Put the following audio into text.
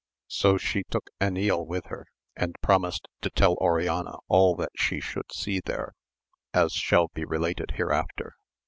So she took Enil with her, and promised to tell Oriana all that she should see there, as shall be related hereafter.